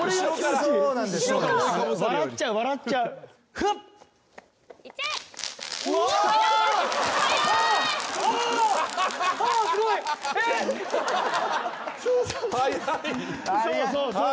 そうそうそうそう。